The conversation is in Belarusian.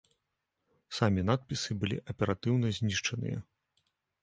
Самі надпісы былі аператыўна знішчаныя.